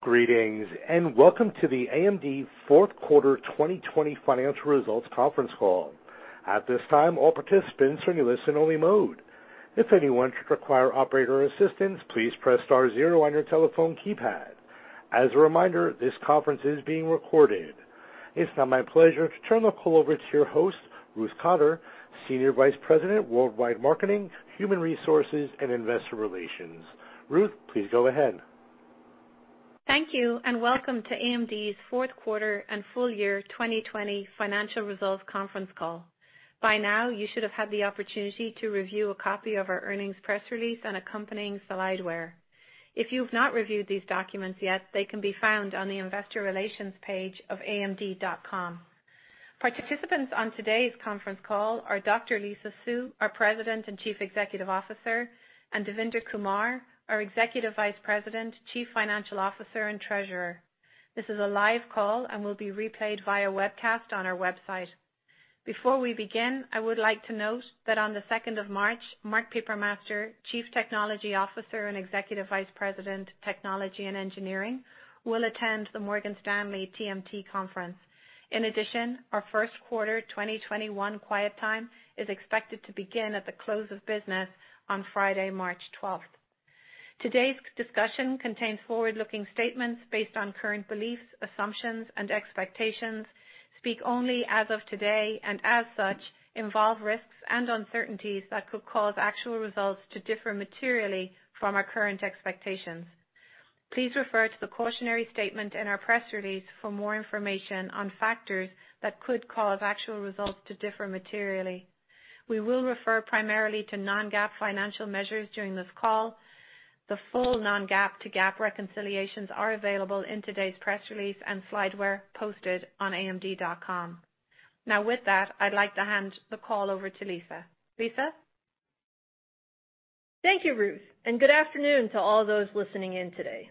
Greetings, and welcome to the AMD fourth quarter 2020 financial results conference call. At this time, all participants are in listen-only mode. If anyone should require operator assistance, please press star zero on your telephone keypad. As a reminder, this conference is being recorded. It's now my pleasure to turn the call over to your host, Ruth Cotter, Senior Vice President, Worldwide Marketing, Human Resources, and Investor Relations. Ruth, please go ahead. Thank you, and welcome to AMD's fourth quarter and full year 2020 financial results conference call. By now, you should have had the opportunity to review a copy of our earnings press release and accompanying slideware. If you've not reviewed these documents yet, they can be found on the investor relations page of AMD.com. Participants on today's conference call are Dr. Lisa Su, our President and Chief Executive Officer, and Devinder Kumar, our Executive Vice President, Chief Financial Officer, and Treasurer. This is a live call and will be replayed via webcast on our website. Before we begin, I would like to note that on the 2nd of March, Mark Papermaster, Chief Technology Officer and Executive Vice President, Technology and Engineering, will attend the Morgan Stanley TMT Conference. In addition, our first quarter 2021 quiet time is expected to begin at the close of business on Friday, March 12th. Today's discussion contains forward-looking statements based on current beliefs, assumptions, and expectations, speak only as of today, and as such, involve risks and uncertainties that could cause actual results to differ materially from our current expectations. Please refer to the cautionary statement in our press release for more information on factors that could cause actual results to differ materially. We will refer primarily to non-GAAP financial measures during this call. The full non-GAAP to GAAP reconciliations are available in today's press release and slideware posted on amd.com. With that, I'd like to hand the call over to Lisa. Lisa? Thank you, Ruth. Good afternoon to all those listening in today.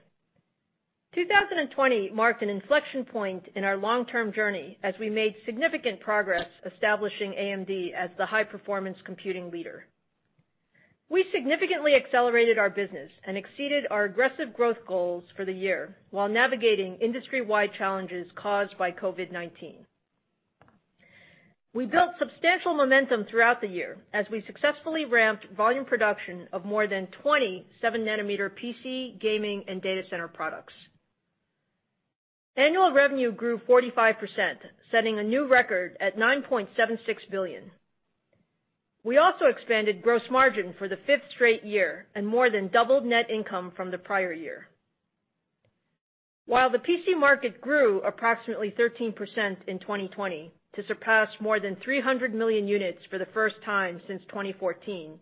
2020 marked an inflection point in our long-term journey as we made significant progress establishing AMD as the high-performance computing leader. We significantly accelerated our business and exceeded our aggressive growth goals for the year while navigating industry-wide challenges caused by COVID-19. We built substantial momentum throughout the year as we successfully ramped volume production of more than 20, 7 nm PC, gaming, and data center products. Annual revenue grew 45%, setting a new record at $9.76 billion. We also expanded gross margin for the fifth straight year and more than doubled net income from the prior year. While the PC market grew approximately 13% in 2020 to surpass more than 300 million units for the first time since 2014,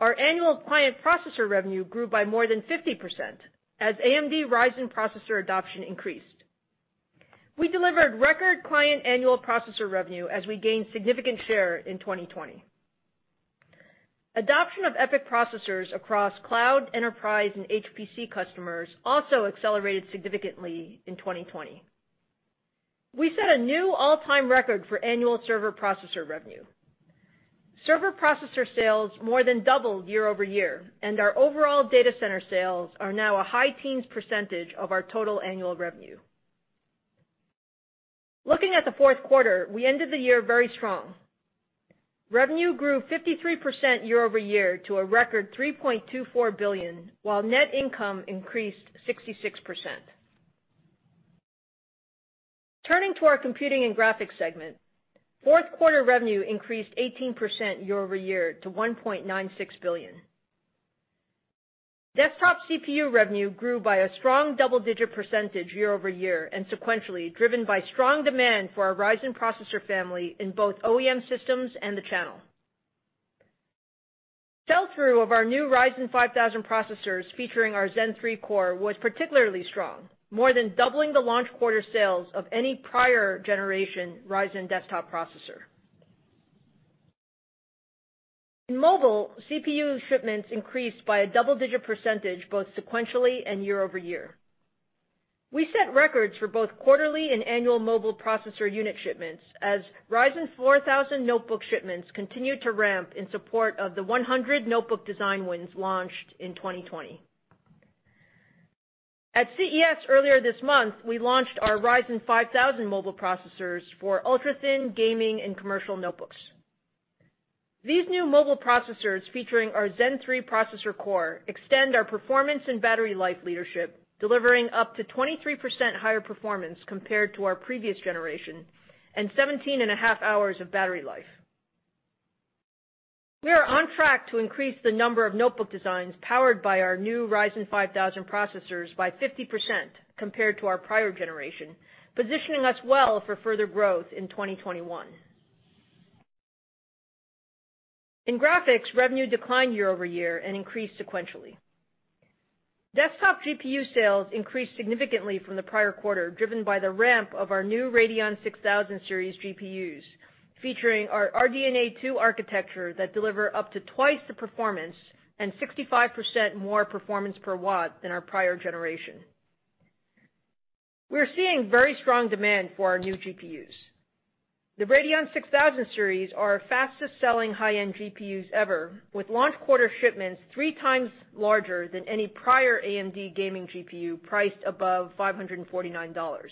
our annual client processor revenue grew by more than 50% as AMD Ryzen processor adoption increased. We delivered record client annual processor revenue as we gained significant share in 2020. Adoption of EPYC processors across cloud, enterprise, and HPC customers also accelerated significantly in 2020. We set a new all-time record for annual server processor revenue. Server processor sales more than doubled year-over-year, and our overall data center sales are now a high teens percentage of our total annual revenue. Looking at the fourth quarter, we ended the year very strong. Revenue grew 53% year-over-year to a record $3.24 billion, while net income increased 66%. Turning to our Computing and Graphics segment, fourth quarter revenue increased 18% year-over-year to $1.96 billion. Desktop CPU revenue grew by a strong double-digit percentage year-over-year and sequentially, driven by strong demand for our Ryzen processor family in both OEM systems and the channel. Sell-through of our new Ryzen 5000 processors featuring our Zen 3 core was particularly strong, more than doubling the launch quarter sales of any prior generation Ryzen desktop processor. In mobile, CPU shipments increased by a double-digit percentage both sequentially and year-over-year. We set records for both quarterly and annual mobile processor unit shipments as Ryzen 4000 notebook shipments continued to ramp in support of the 100 notebook design wins launched in 2020. At CES earlier this month, we launched our Ryzen 5000 Series Mobile Processors for ultra-thin gaming and commercial notebooks. These new mobile processors featuring our Zen 3 processor core extend our performance and battery life leadership, delivering up to 23% higher performance compared to our previous generation and 17.5 hours of battery life. We are on track to increase the number of notebook designs powered by our new Ryzen 5000 processors by 50% compared to our prior generation, positioning us well for further growth in 2021. In graphics, revenue declined year-over-year and increased sequentially. Desktop GPU sales increased significantly from the prior quarter, driven by the ramp of our new Radeon 6000 series GPUs, featuring our RDNA 2 architecture that deliver up to twice the performance and 65% more performance per watt than our prior generation. We're seeing very strong demand for our new GPUs. The Radeon 6000 series are our fastest-selling high-end GPUs ever, with launch quarter shipments 3x larger than any prior AMD gaming GPU priced above $549.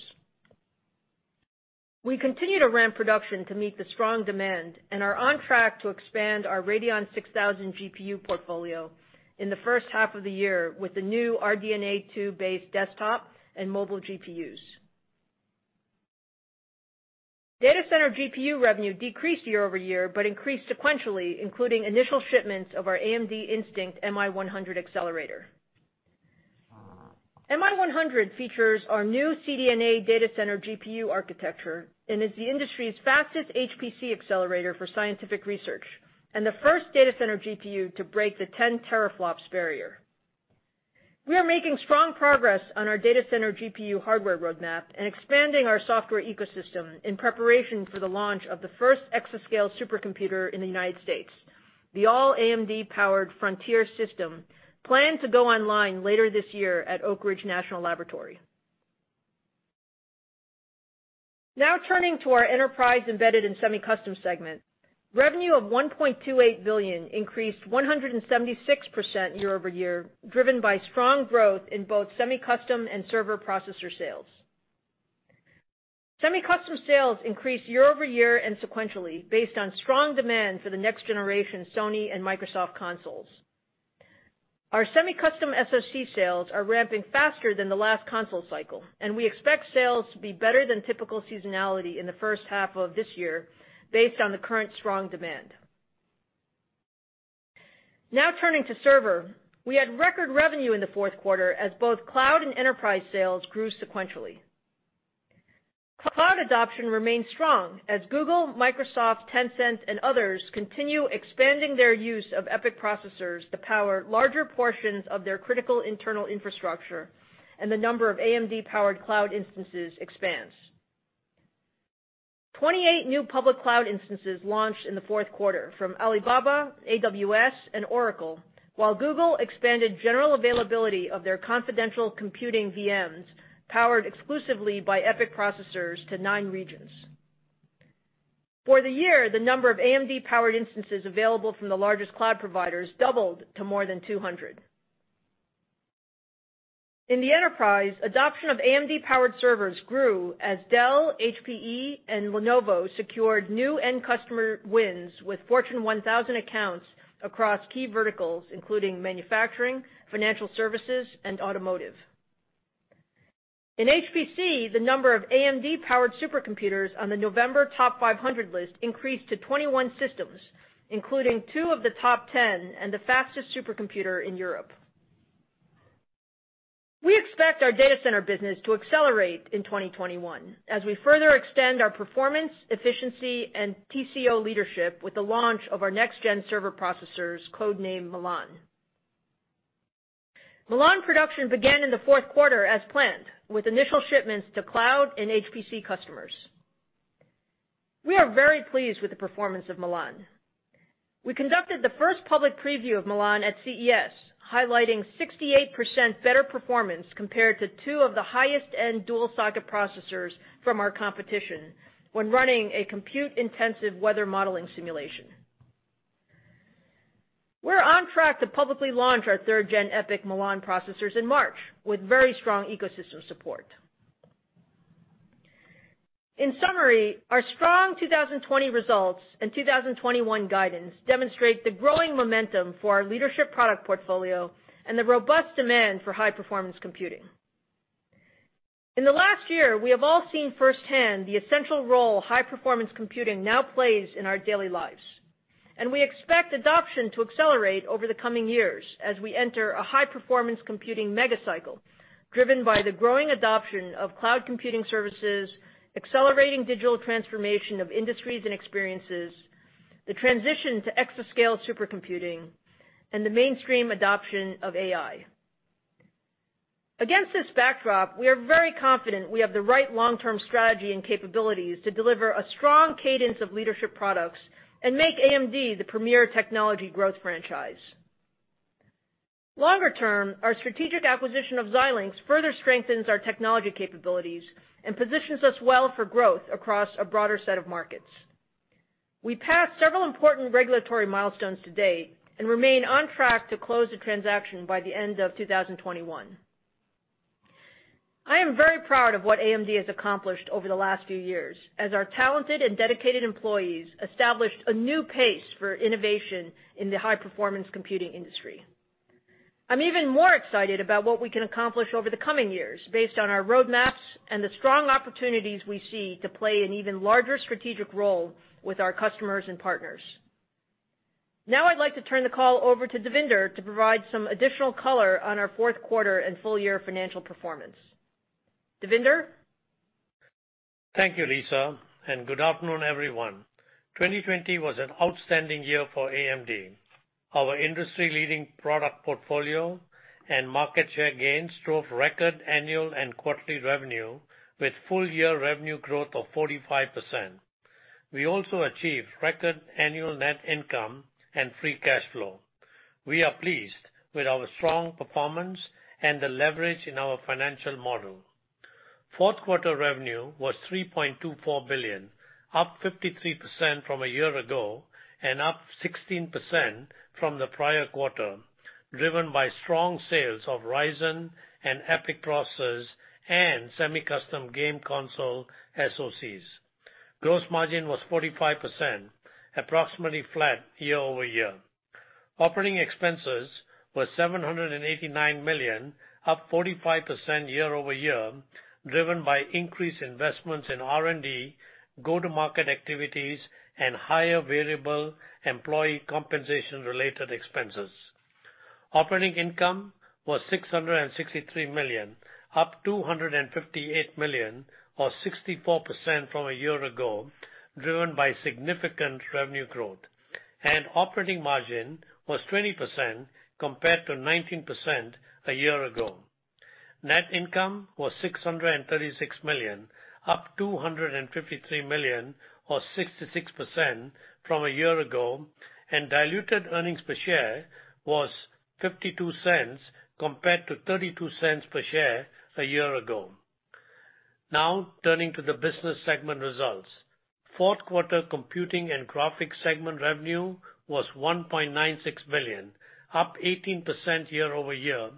We continue to ramp production to meet the strong demand and are on track to expand our Radeon 6000 GPU portfolio in the first half of the year with the new RDNA 2-based desktop and mobile GPUs. Data center GPU revenue decreased year-over-year, but increased sequentially, including initial shipments of our AMD Instinct MI100 accelerator. MI100 features our new CDNA data center GPU architecture and is the industry's fastest HPC accelerator for scientific research, and the first data center GPU to break the 10 teraflops barrier. We are making strong progress on our data center GPU hardware roadmap and expanding our software ecosystem in preparation for the launch of the first exascale supercomputer in the U.S., the all AMD-powered Frontier system planned to go online later this year at Oak Ridge National Laboratory. Now turning to our enterprise, embedded and semi-custom segment. Revenue of $1.28 billion increased 176% year-over-year, driven by strong growth in both semi-custom and server processor sales. Semi-custom sales increased year-over-year and sequentially based on strong demand for the next generation Sony and Microsoft consoles. Our semi-custom SoC sales are ramping faster than the last console cycle, and we expect sales to be better than typical seasonality in the first half of this year based on the current strong demand. Now turning to server, we had record revenue in the fourth quarter as both cloud and enterprise sales grew sequentially. Cloud adoption remains strong as Google, Microsoft, Tencent, and others continue expanding their use of EPYC processors to power larger portions of their critical internal infrastructure and the number of AMD-powered cloud instances expands. 28 new public cloud instances launched in the fourth quarter from Alibaba, AWS, and Oracle, while Google expanded general availability of their confidential computing VMs, powered exclusively by EPYC processors, to nine regions. For the year, the number of AMD-powered instances available from the largest cloud providers doubled to more than 200. In the enterprise, adoption of AMD-powered servers grew as Dell, HPE, and Lenovo secured new end customer wins with Fortune 1000 accounts across key verticals, including manufacturing, financial services, and automotive. In HPC, the number of AMD-powered supercomputers on the November TOP500 list increased to 21 systems, including two of the top 10 and the fastest supercomputer in Europe. We expect our data center business to accelerate in 2021 as we further extend our performance, efficiency, and TCO leadership with the launch of our next-gen server processors, code-named Milan. Milan production began in the fourth quarter as planned, with initial shipments to cloud and HPC customers. We are very pleased with the performance of Milan. We conducted the first public preview of Milan at CES, highlighting 68% better performance compared to two of the highest-end dual-socket processors from our competition when running a compute-intensive weather modeling simulation. We're on track to publicly launch our third-gen EPYC Milan processors in March, with very strong ecosystem support. In summary, our strong 2020 results and 2021 guidance demonstrate the growing momentum for our leadership product portfolio and the robust demand for high-performance computing. In the last year, we have all seen firsthand the essential high-performance computing now plays in our daily lives, and we expect adoption to accelerate over the coming years as we enter high-performance computing mega cycle driven by the growing adoption of cloud computing services, accelerating digital transformation of industries and experiences, the transition to exascale supercomputing, and the mainstream adoption of AI. Against this backdrop, we are very confident we have the right long-term strategy and capabilities to deliver a strong cadence of leadership products and make AMD the premier technology growth franchise. Longer-term, our strategic acquisition of Xilinx further strengthens our technology capabilities and positions us well for growth across a broader set of markets. We passed several important regulatory milestones to date and remain on track to close the transaction by the end of 2021. I am very proud of what AMD has accomplished over the last few years, as our talented and dedicated employees established a new pace for innovation in the high-performance computing industry. I'm even more excited about what we can accomplish over the coming years based on our roadmaps and the strong opportunities we see to play an even larger strategic role with our customers and partners. Now I'd like to turn the call over to Devinder to provide some additional color on our fourth quarter and full-year financial performance. Devinder? Thank you, Lisa, and good afternoon, everyone. 2020 was an outstanding year for AMD. Our industry-leading product portfolio and market share gains drove record annual and quarterly revenue, with full-year revenue growth of 45%. We also achieved record annual net income and free cash flow. We are pleased with our strong performance and the leverage in our financial model. Fourth quarter revenue was $3.24 billion, up 53% from a year ago and up 16% from the prior quarter, driven by strong sales of Ryzen and EPYC processors and semi-custom game console SoCs. Gross margin was 45%, approximately flat year-over-year. Operating expenses were $789 million, up 45% year-over-year, driven by increased investments in R&D, go-to-market activities, and higher variable employee compensation-related expenses. Operating income was $663 million, up $258 million, or 64% from a year ago, driven by significant revenue growth. Operating margin was 20% compared to 19% a year ago. Net income was $636 million, up $253 million, or 66%, from a year ago. Diluted earnings per share was $0.52 compared to $0.32 per share a year ago. Turning to the business segment results. Fourth quarter Computing and Graphics segment revenue was $1.96 billion, up 18% year-over-year,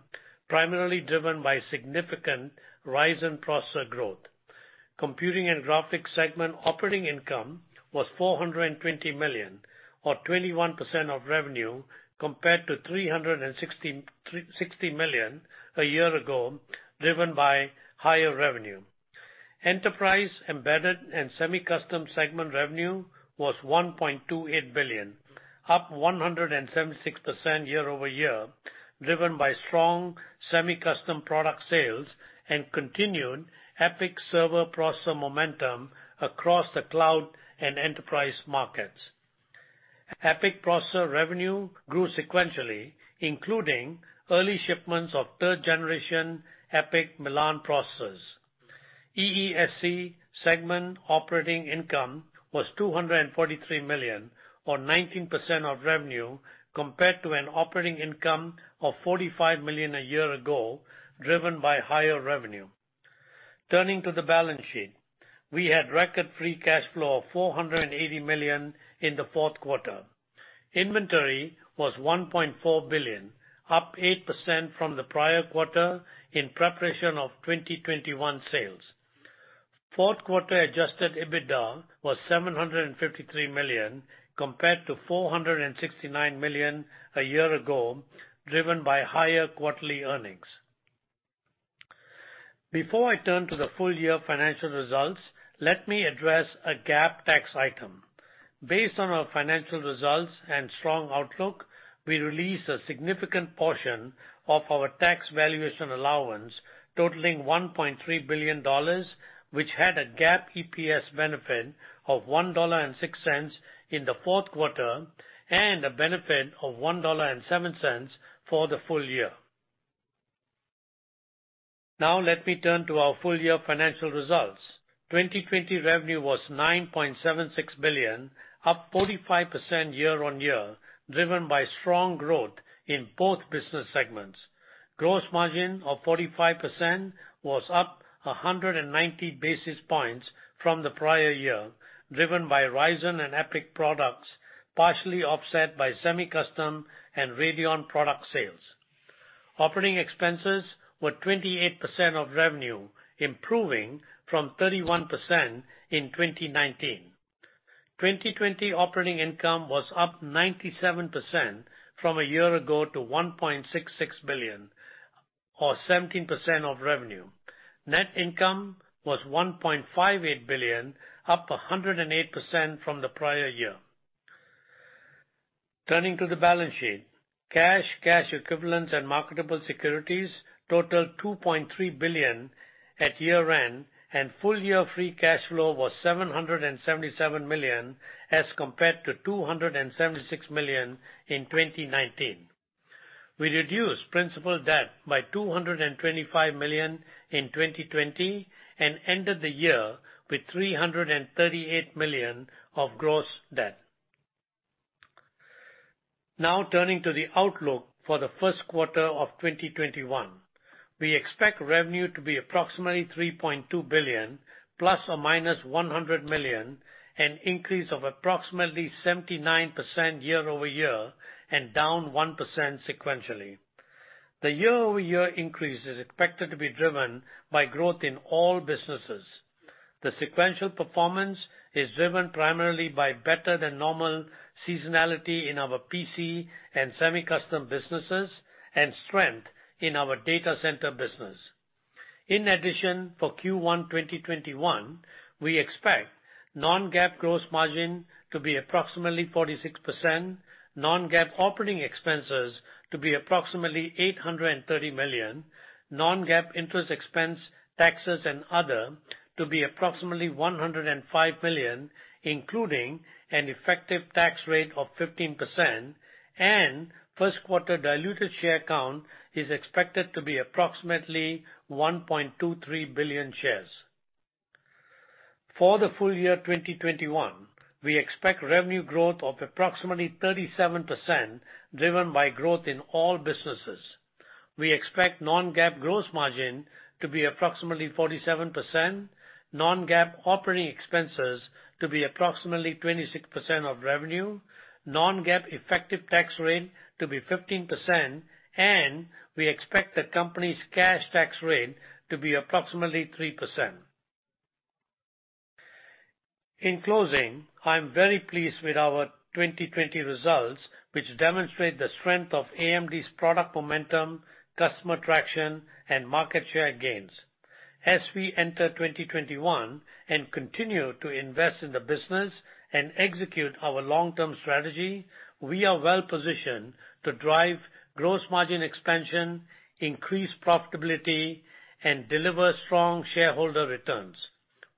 primarily driven by significant Ryzen processor growth. Computing and Graphics segment operating income was $420 million, or 21% of revenue, compared to $360 million a year ago, driven by higher revenue. Enterprise, embedded, and semi-custom segment revenue was $1.28 billion, up 176% year-over-year, driven by strong semi-custom product sales and continued EPYC server processor momentum across the cloud and enterprise markets. EPYC processor revenue grew sequentially, including early shipments of third-generation EPYC Milan processors. EESC segment operating income was $243 million, or 19% of revenue, compared to an operating income of $45 million a year ago, driven by higher revenue. Turning to the balance sheet. We had record free cash flow of $480 million in the fourth quarter. Inventory was $1.4 billion, up 8% from the prior quarter in preparation of 2021 sales. Fourth quarter adjusted EBITDA was $753 million, compared to $469 million a year ago, driven by higher quarterly earnings. Before I turn to the full-year financial results, let me address a GAAP tax item. Based on our financial results and strong outlook, we released a significant portion of our tax valuation allowance totaling $1.3 billion, which had a GAAP EPS benefit of $1.06 in the fourth quarter and a benefit of $1.07 for the full-year. Now let me turn to our full-year financial results. 2020 revenue was $9.76 billion, up 45% year-on-year, driven by strong growth in both business segments. Gross margin of 45% was up 190 basis points from the prior year, driven by Ryzen and EPYC products, partially offset by Semi-Custom and Radeon product sales. Operating expenses were 28% of revenue, improving from 31% in 2019. 2020 operating income was up 97% from a year ago to $1.66 billion, or 17% of revenue. Net income was $1.58 billion, up 108% from the prior year. Turning to the balance sheet, cash equivalents, and marketable securities totaled $2.3 billion at year-end, and full-year free cash flow was $777 million as compared to $276 million in 2019. We reduced principal debt by $225 million in 2020 and ended the year with $338 million of gross debt. Now turning to the outlook for the first quarter of 2021. We expect revenue to be approximately $3.2 billion ±$100 million, an increase of approximately 79% year-over-year and down 1% sequentially. The year-over-year increase is expected to be driven by growth in all businesses. The sequential performance is driven primarily by better than normal seasonality in our PC and semi-custom businesses and strength in our data center business. In addition, for Q1 2021, we expect non-GAAP gross margin to be approximately 46%, non-GAAP operating expenses to be approximately $830 million, non-GAAP interest expense, taxes, and other to be approximately $105 million, including an effective tax rate of 15%, and first quarter diluted share count is expected to be approximately 1.23 billion shares. For the full-year 2021, we expect revenue growth of approximately 37%, driven by growth in all businesses. We expect non-GAAP gross margin to be approximately 47%, non-GAAP operating expenses to be approximately 26% of revenue, non-GAAP effective tax rate to be 15%, and we expect the company's cash tax rate to be approximately 3%. In closing, I'm very pleased with our 2020 results, which demonstrate the strength of AMD's product momentum, customer traction, and market share gains. As we enter 2021 and continue to invest in the business and execute our long-term strategy, we are well-positioned to drive gross margin expansion, increase profitability, and deliver strong shareholder returns.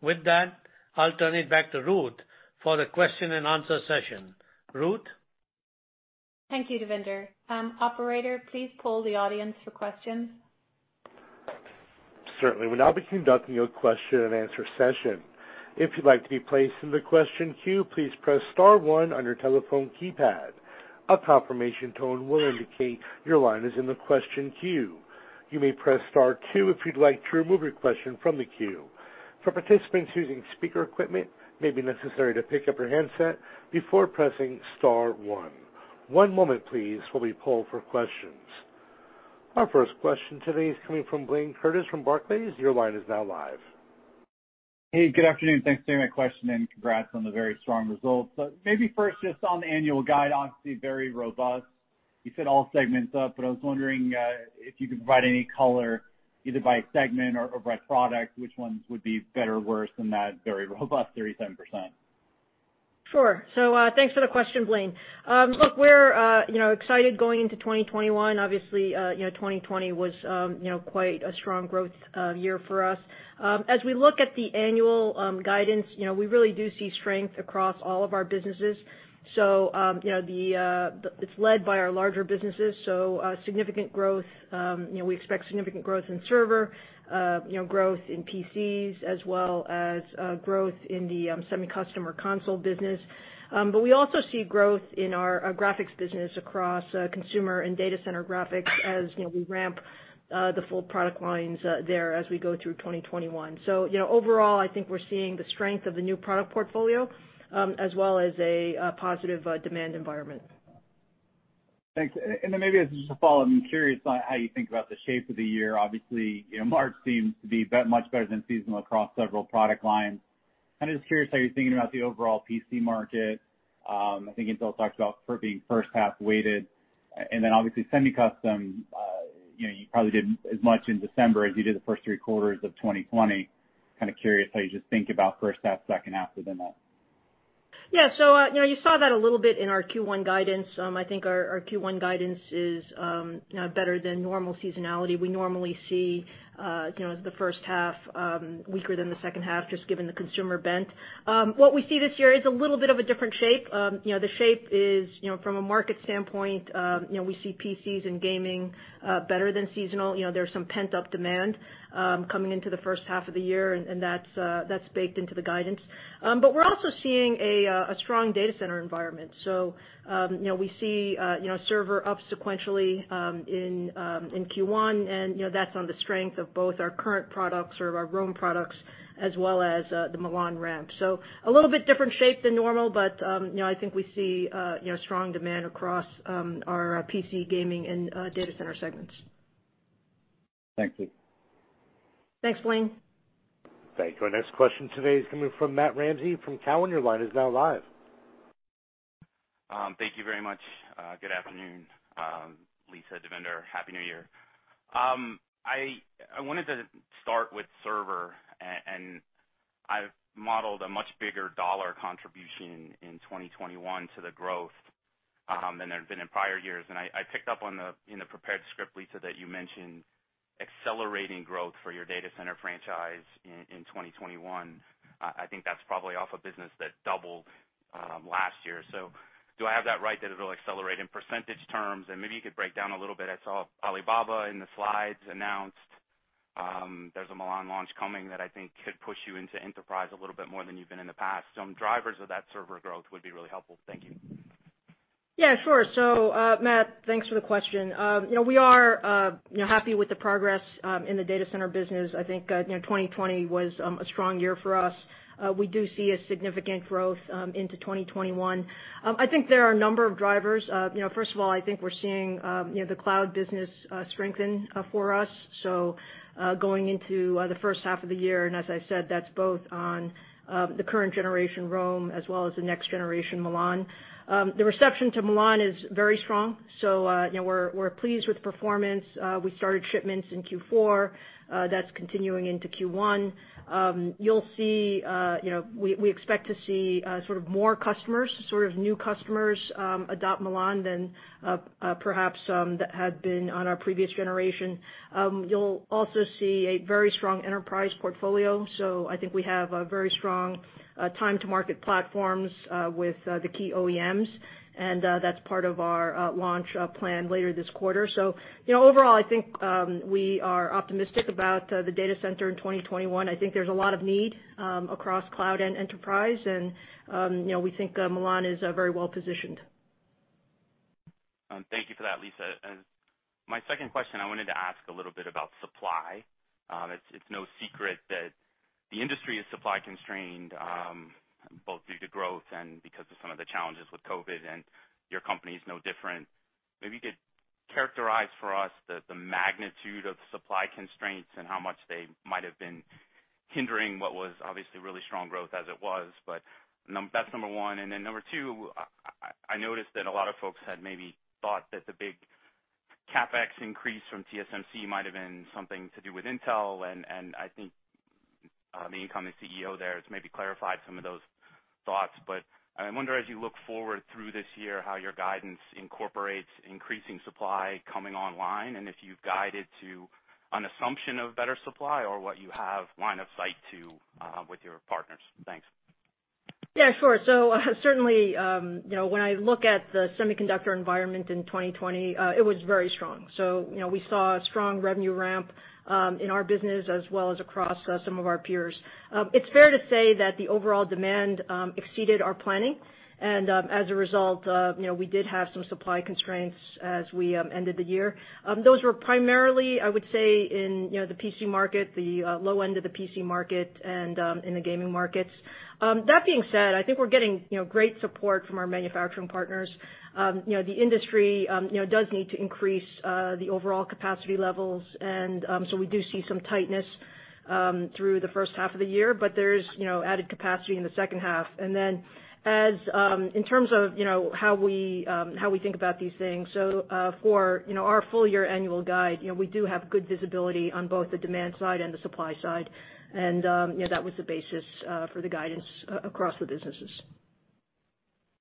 With that, I'll turn it back to Ruth for the question-and-answer session. Ruth? Thank you, Devinder. Operator, please poll the audience for questions. Certainly. We'll now be conducting a question-and-answer session. If you'd like to be placed in the question queue, please press star one on your telephone keypad. A confirmation tone will indicate your line is in the question queue. You may press star two if you'd like to remove your question from the queue. For participants using speaker equipment, it may be necessary to pick up your handset before pressing star one. One moment please while we poll for questions. Our first question today is coming from Blayne Curtis from Barclays. Your line is now live. Hey, good afternoon. Thanks for taking my question, and congrats on the very strong results. Maybe first just on the annual guide, honestly, very robust. I was wondering if you could provide any color, either by segment or by product, which ones would be better or worse than that very robust 37%. Sure. Thanks for the question, Blayne. Look, we're excited going into 2021. Obviously, 2020 was quite a strong growth year for us. As we look at the annual guidance, we really do see strength across all of our businesses. It's led by our larger businesses. We expect significant growth in server, growth in PCs, as well as growth in the semi-custom or console business. We also see growth in our graphics business across consumer and data center graphics as we ramp the full product lines there as we go through 2021. Overall, I think we're seeing the strength of the new product portfolio, as well as a positive demand environment. Thanks. Maybe as a follow-on, I'm curious on how you think about the shape of the year. Obviously, March seems to be much better than seasonal across several product lines. I'm just curious how you're thinking about the overall PC market. I think Intel talked about being first half weighted, obviously semi-custom, you probably did as much in December as you did the first three quarters of 2020. Kind of curious how you just think about first half, second half within that. Yeah. You saw that a little bit in our Q1 guidance. I think our Q1 guidance is better than normal seasonality. We normally see the first half weaker than the second half, just given the consumer bent. What we see this year is a little bit of a different shape. The shape is, from a market standpoint, we see PCs and gaming better than seasonal. There's some pent-up demand coming into the first half of the year, and that's baked into the guidance. We're also seeing a strong data center environment. We see server up sequentially in Q1, and that's on the strength of both our current products or our Rome products, as well as the Milan ramp. A little bit different shape than normal, but I think we see strong demand across our PC gaming and data center segments. Thanks, Lisa. Thanks, Blayne. Thank you. Our next question today is coming from Matt Ramsay from Cowen. Your line is now live. Thank you very much. Good afternoon, Lisa, Devinder. Happy New Year. I wanted to start with server. I've modeled a much bigger dollar contribution in 2021 to the growth than there'd been in prior years. I picked up in the prepared script, Lisa, that you mentioned accelerating growth for your data center franchise in 2021. I think that's probably off a business that doubled last year. Do I have that right, that it'll accelerate in percentage terms? Maybe you could break down a little bit. I saw Alibaba in the slides announced there's a Milan launch coming that I think could push you into enterprise a little bit more than you've been in the past. Some drivers of that server growth would be really helpful. Thank you. Yeah, sure. Matt, thanks for the question. We are happy with the progress in the data center business. I think 2020 was a strong year for us. We do see a significant growth into 2021. I think there are a number of drivers. First of all, I think we're seeing the cloud business strengthen for us, so going into the first half of the year, and as I said, that's both on the current generation Rome as well as the next generation Milan. The reception to Milan is very strong, so we're pleased with performance. We started shipments in Q4. That's continuing into Q1. We expect to see sort of more customers, sort of new customers adopt Milan than perhaps that had been on our previous generation. You'll also see a very strong enterprise portfolio. I think we have a very strong time to market platforms with the key OEMs, and that's part of our launch plan later this quarter. Overall, I think we are optimistic about the data center in 2021. I think there's a lot of need across cloud and enterprise, and we think Milan is very well-positioned. Thank you for that, Lisa. My second question, I wanted to ask a little bit about supply. It's no secret that the industry is supply constrained, both due to growth and because of some of the challenges with COVID, and your company is no different. You could characterize for us the magnitude of supply constraints and how much they might have been hindering what was obviously really strong growth as it was. That's number one. Then number two, I noticed that a lot of folks had maybe thought that the big CapEx increase from TSMC might have been something to do with Intel, I think the incoming CEO there has maybe clarified some of those thoughts. I wonder, as you look forward through this year, how your guidance incorporates increasing supply coming online, and if you've guided to an assumption of better supply or what you have line of sight to with your partners. Thanks. Yeah, sure. Certainly, when I look at the semiconductor environment in 2020, it was very strong. We saw a strong revenue ramp in our business as well as across some of our peers. It's fair to say that the overall demand exceeded our planning, and as a result, we did have some supply constraints as we ended the year. Those were primarily, I would say, in the PC market, the low end of the PC market, and in the gaming markets. That being said, I think we're getting great support from our manufacturing partners. The industry does need to increase the overall capacity levels, we do see some tightness through the first half of the year, but there's added capacity in the second half. In terms of how we think about these things, for our full-year annual guide, we do have good visibility on both the demand side and the supply side. That was the basis for the guidance across the businesses.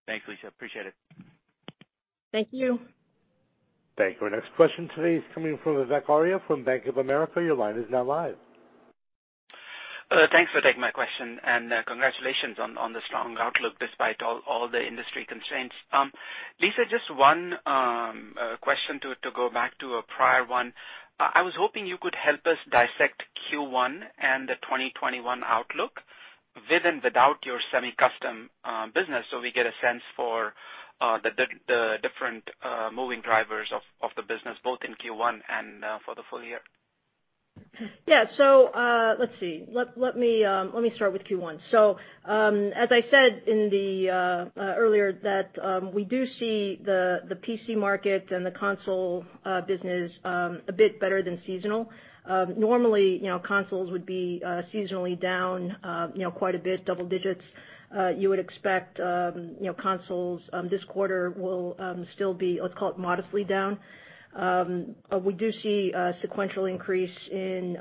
Thanks, Lisa. Appreciate it. Thank you. Thank you. Our next question today is coming from Vivek Arya from Bank of America. Your line is now live. Thanks for taking my question, and congratulations on the strong outlook despite all the industry constraints. Lisa, just one question to go back to a prior one. I was hoping you could help us dissect Q1 and the 2021 outlook with and without your semi-custom business so we get a sense for the different moving drivers of the business, both in Q1 and for the full-year. Yeah. Let's see. Let me start with Q1. As I said earlier, that we do see the PC market and the console business a bit better than seasonal. Normally, consoles would be seasonally down quite a bit, double digits. You would expect consoles this quarter will still be, let's call it modestly down. We do see a sequential increase in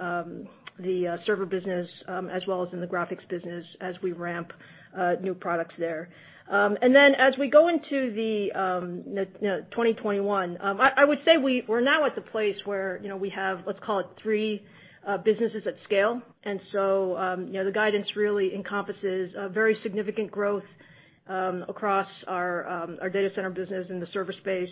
the server business as well as in the graphics business as we ramp new products there. As we go into 2021, I would say we're now at the place where we have, let's call it three businesses at scale. The guidance really encompasses a very significant growth across our data center business in the server space,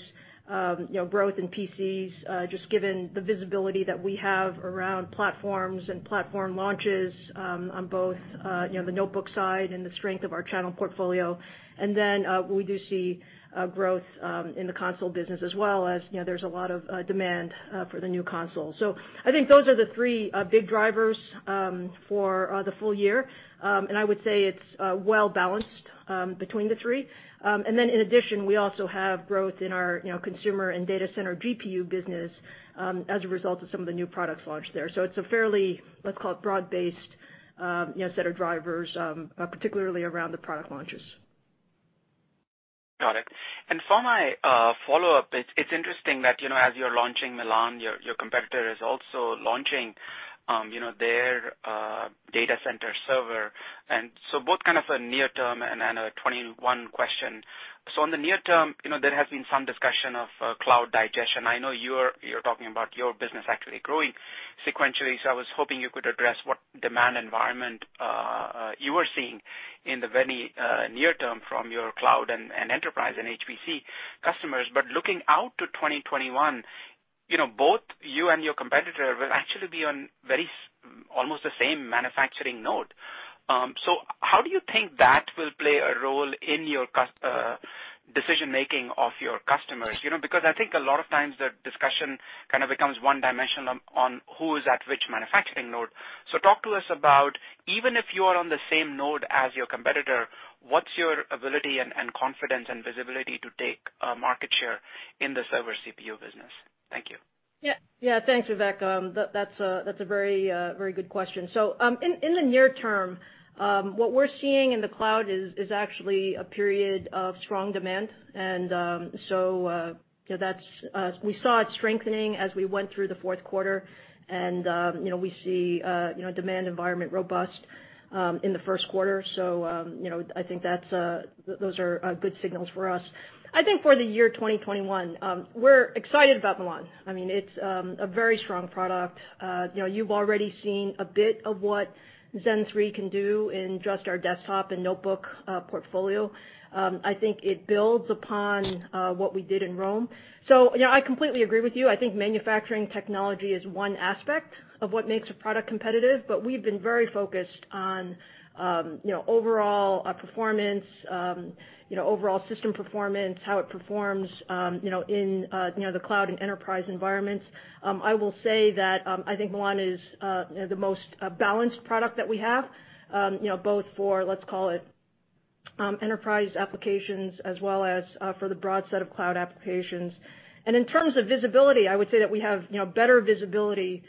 growth in PCs, just given the visibility that we have around platforms and platform launches on both the notebook side and the strength of our channel portfolio. Then we do see growth in the console business as well as there's a lot of demand for the new console. I think those are the three big drivers for the full-year. I would say it's well balanced between the three. In addition, we also have growth in our consumer and data center GPU business as a result of some of the new products launched there. It's a fairly, let's call it, broad-based set of drivers, particularly around the product launches. Got it. For my follow-up, it's interesting that as you're launching Milan, your competitor is also launching their data center server. Both a near-term and a 2021 question. In the near-term, there has been some discussion of cloud digestion. I know you're talking about your business actually growing sequentially, so I was hoping you could address what demand environment you are seeing in the very near-term from your cloud and enterprise and HPC customers. Looking out to 2021, both you and your competitor will actually be on very almost the same manufacturing node. How do you think that will play a role in your decision making of your customers? I think a lot of times the discussion becomes one-dimensional on who is at which manufacturing node. Talk to us about, even if you are on the same node as your competitor, what's your ability and confidence and visibility to take market share in the server CPU business? Thank you. Yeah. Thanks, Vivek. That's a very good question. In the near-term, what we're seeing in the cloud is actually a period of strong demand. We saw it strengthening as we went through the fourth quarter and we see demand environment robust in the first quarter. I think those are good signals for us. I think for the year 2021, we're excited about Milan. It's a very strong product. You've already seen a bit of what Zen 3 can do in just our desktop and notebook portfolio. I think it builds upon what we did in Rome. I completely agree with you. I think manufacturing technology is one aspect of what makes a product competitive, but we've been very focused on overall performance, overall system performance, how it performs in the cloud and enterprise environments. I will say that I think Milan is the most balanced product that we have both for, let's call it-enterprise applications as well as for the broad set of cloud applications. In terms of visibility, I would say that we have better visibility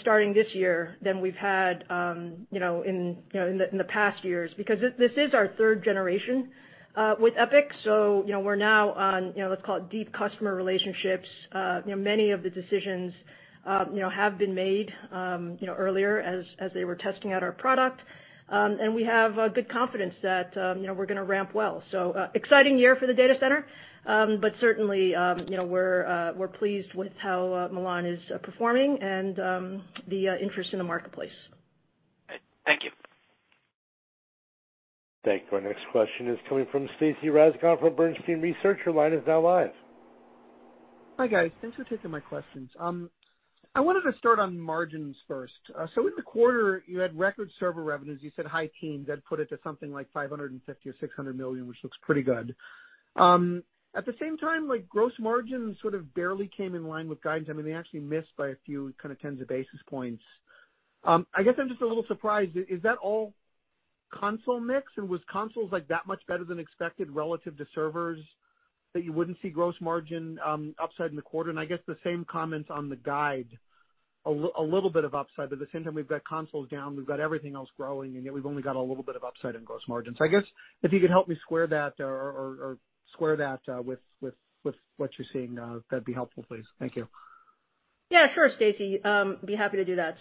starting this year than we've had in the past years, because this is our third generation with EPYC, so we're now on, let's call it deep customer relationships. Many of the decisions have been made earlier as they were testing out our product. We have good confidence that we're going to ramp well. Exciting year for the data center, but certainly, we're pleased with how Milan is performing and the interest in the marketplace. Thank you. Thank you. Our next question is coming from Stacy Rasgon from Bernstein Research. Your line is now live Hi, guys. Thanks for taking my questions. I wanted to start on margins first. In the quarter, you had record server revenues. You said high teens. I'd put it to something like $550 million or $600 million, which looks pretty good. At the same time, gross margin sort of barely came in line with guidance. I mean, they actually missed by a few kind of tens of basis points. I guess I'm just a little surprised. Is that all console mix? Was consoles that much better than expected relative to servers that you wouldn't see gross margin upside in the quarter? I guess the same comments on the guide, a little bit of upside, but at the same time, we've got consoles down, we've got everything else growing, and yet we've only got a little bit of upside in gross margins. I guess if you could help me square that with what you're seeing, that'd be helpful, please. Thank you. Yeah, sure, Stacy. Be happy to do that.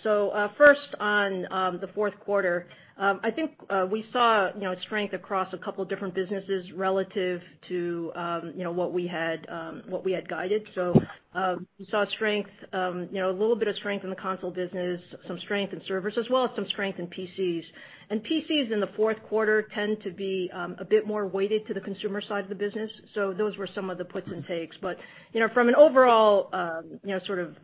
First on the fourth quarter, I think we saw strength across a couple different businesses relative to what we had guided. We saw a little bit of strength in the console business, some strength in servers, as well as some strength in PCs. PCs in the fourth quarter tend to be a bit more weighted to the consumer side of the business. Those were some of the puts and takes. From an overall sort of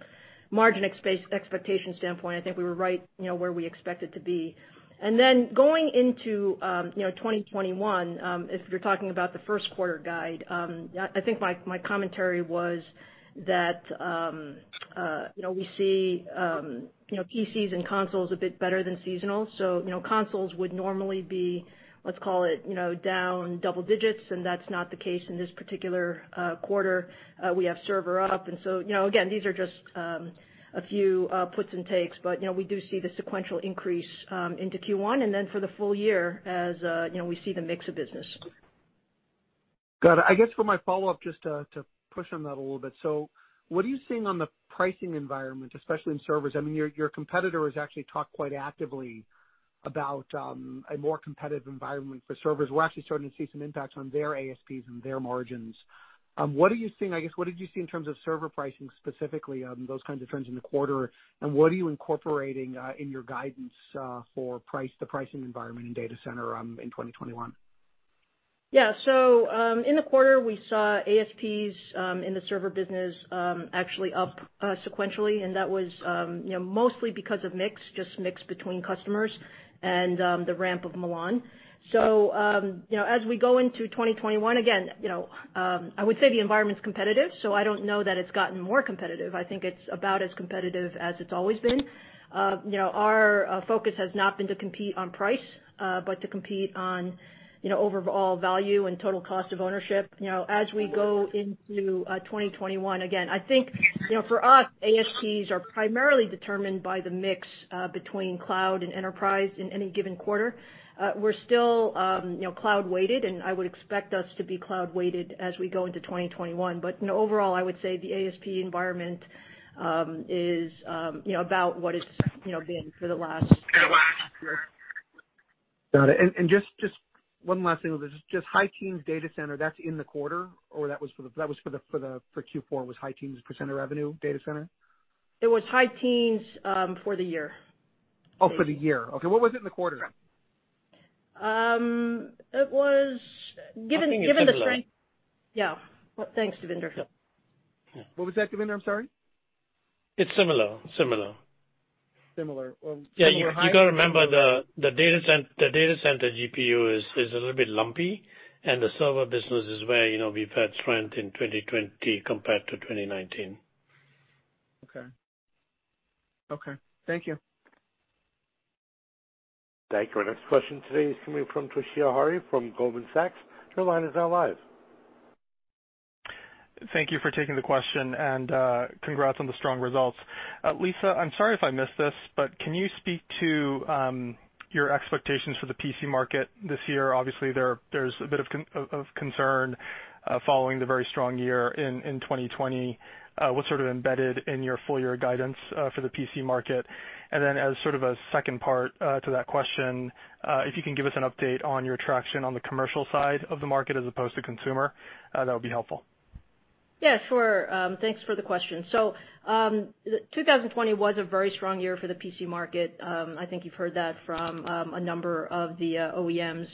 margin expectation standpoint, I think we were right where we expected to be. Going into 2021, if you're talking about the first quarter guide, I think my commentary was that we see PCs and consoles a bit better than seasonal. Consoles would normally be, let's call it, down double-digits, and that's not the case in this particular quarter. We have server up. Again, these are just a few puts and takes. We do see the sequential increase into Q1 and then for the full-year as we see the mix of business. Got it. I guess for my follow-up, just to push on that a little bit. What are you seeing on the pricing environment, especially in servers? Your competitor has actually talked quite actively about a more competitive environment for servers. We're actually starting to see some impacts on their ASPs and their margins. What are you seeing, I guess, what did you see in terms of server pricing, specifically, those kinds of trends in the quarter, and what are you incorporating in your guidance for the pricing environment in data center in 2021? In the quarter, we saw ASPs in the server business actually up sequentially, and that was mostly because of mix, just mix between customers and the ramp of Milan. As we go into 2021, again, I would say the environment's competitive, so I don't know that it's gotten more competitive. I think it's about as competitive as it's always been. Our focus has not been to compete on price, but to compete on overall value and total cost of ownership. As we go into 2021, again, I think for us, ASPs are primarily determined by the mix between cloud and enterprise in any given quarter. We're still cloud-weighted, and I would expect us to be cloud-weighted as we go into 2021. Overall, I would say the ASP environment is about what it's been for the last year. Got it. Just one last thing. Just high teens data center, that's in the quarter? That was for Q4 was high teens percent of revenue data center? It was high teens for the year. Oh, for the year. Okay. What was it in the quarter then? It was given the strength- I think it's similar. Yeah. Thanks, Devinder. What was that, Devinder? I'm sorry. It's similar. Similar. Similar to high? Yeah, you got to remember the data center GPU is a little bit lumpy, and the server business is where we've had strength in 2020 compared to 2019. Okay. Thank you. Thank you. Our next question today is coming from Toshiya Hari from Goldman Sachs. Your line is now live. Thank you for taking the question, and congrats on the strong results. Lisa, I'm sorry if I missed this, but can you speak to your expectations for the PC market this year? Obviously, there's a bit of concern following the very strong year in 2020. What's sort of embedded in your full-year guidance for the PC market? And then as sort of a second part to that question, if you can give us an update on your traction on the commercial side of the market as opposed to consumer, that would be helpful. Yeah, sure. Thanks for the question. 2020 was a very strong year for the PC market. I think you've heard that from a number of the OEMs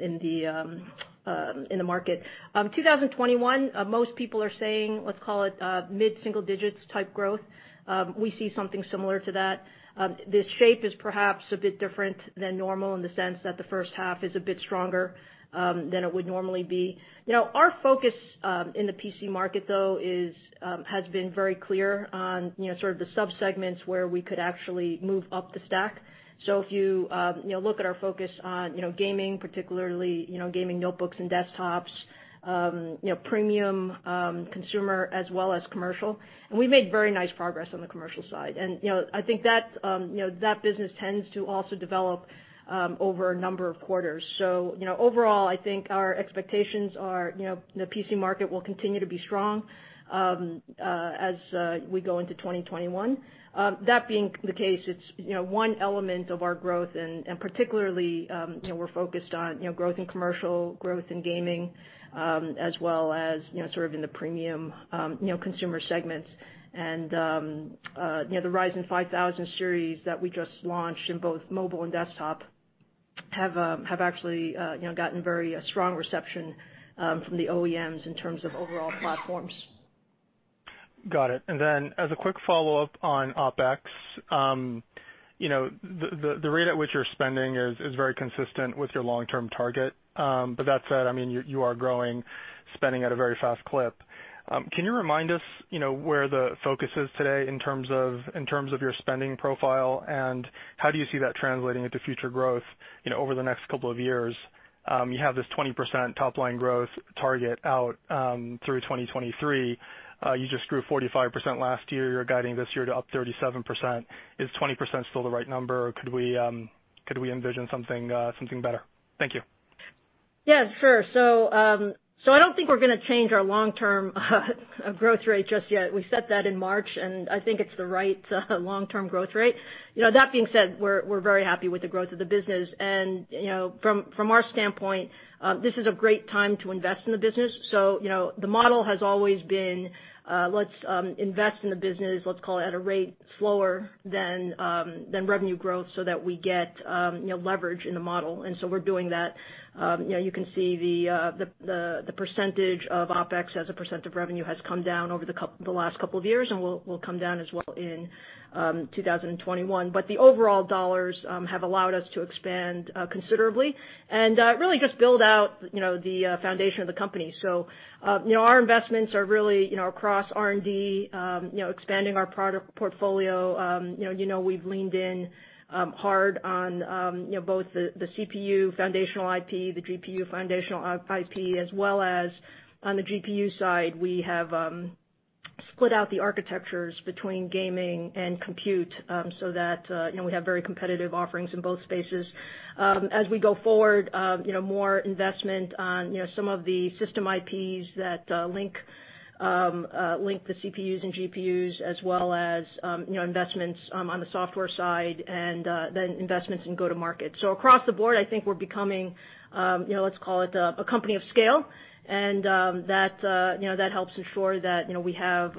in the market. 2021, most people are saying, let's call it mid-single-digits type growth. We see something similar to that. The shape is perhaps a bit different than normal in the sense that the first half is a bit stronger than it would normally be. Our focus in the PC market, though, has been very clear on sort of the subsegments where we could actually move up the stack. If you look at our focus on gaming, particularly gaming notebooks and desktops, premium consumer as well as commercial, and we've made very nice progress on the commercial side. I think that business tends to also develop over a number of quarters. Overall, I think our expectations are the PC market will continue to be strong as we go into 2021. That being the case, it's one element of our growth and particularly, we're focused on growth in commercial, growth in gaming, as well as sort of in the premium consumer segments. The Ryzen 5000 series that we just launched in both mobile and desktop have actually gotten very strong reception from the OEMs in terms of overall platforms. Got it. As a quick follow-up on OpEx, the rate at which you're spending is very consistent with your long-term target. That said, you are growing spending at a very fast clip. Can you remind us where the focus is today in terms of your spending profile, and how do you see that translating into future growth over the next couple of years? You have this 20% top-line growth target out through 2023. You just grew 45% last year. You're guiding this year to up 37%. Is 20% still the right number, or could we envision something better? Thank you. Yeah, sure. I don't think we're going to change our long-term growth rate just yet. We set that in March, and I think it's the right long-term growth rate. That being said, we're very happy with the growth of the business, and from our standpoint, this is a great time to invest in the business. The model has always been, let's invest in the business, let's call it, at a rate slower than revenue growth so that we get leverage in the model. We're doing that. You can see the percentage of OpEx as a percent of revenue has come down over the last couple of years and will come down as well in 2021. The overall dollars have allowed us to expand considerably and really just build out the foundation of the company. Our investments are really across R&D, expanding our product portfolio. You know we've leaned in hard on both the CPU foundational IP, the GPU foundational IP, as well as on the GPU side, we have split out the architectures between gaming and compute so that we have very competitive offerings in both spaces. As we go forward, more investment on some of the system IPs that link the CPUs and GPUs, as well as investments on the software side and then investments in go-to-market. Across the board, I think we're becoming, let's call it, a company of scale, and that helps ensure that we have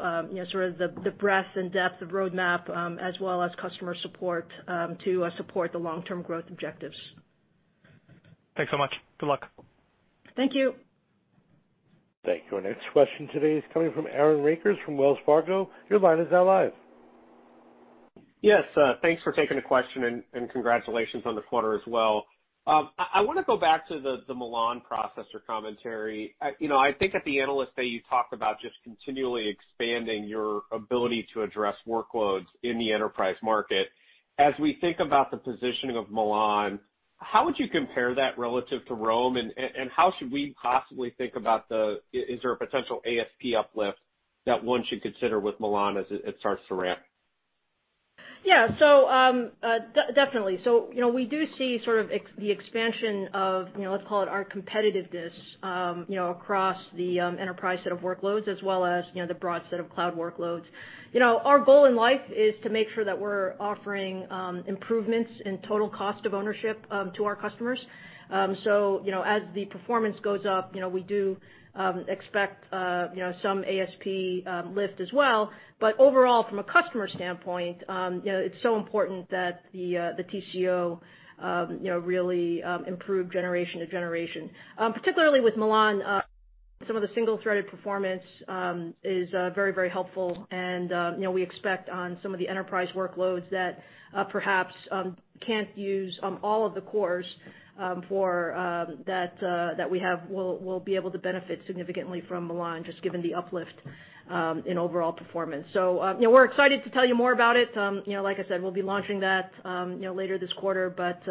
sort of the breadth and depth of roadmap as well as customer support to support the long-term growth objectives. Thanks so much. Good luck. Thank you. Thank you. Our next question today is coming from Aaron Rakers from Wells Fargo. Your line is now live. Yes. Thanks for taking the question and congratulations on the quarter as well. I want to go back to the Milan processor commentary. I think at the Analyst Day, you talked about just continually expanding your ability to address workloads in the enterprise market. As we think about the positioning of Milan, how would you compare that relative to Rome, and how should we possibly think about, is there a potential ASP uplift that one should consider with Milan as it starts to ramp? Yeah. Definitely. We do see sort of the expansion of, let's call it, our competitiveness across the enterprise set of workloads as well as the broad set of cloud workloads. Our goal in life is to make sure that we're offering improvements in total cost of ownership to our customers. As the performance goes up, we do expect some ASP lift as well. Overall, from a customer standpoint, it's so important that the TCO really improve generation to generation. Particularly with Milan, some of the single-threaded performance is very helpful, and we expect on some of the enterprise workloads that perhaps can't use all of the cores that we have will be able to benefit significantly from Milan, just given the uplift in overall performance. We're excited to tell you more about it. Like I said, we'll be launching that later this quarter, but